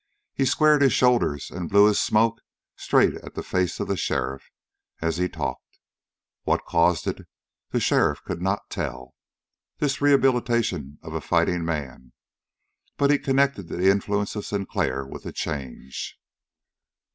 He squared his shoulders and blew his smoke straight at the face of the sheriff, as he talked. What caused it, the sheriff could not tell, this rehabilitation of a fighting man, but he connected the influence of Sinclair with the change.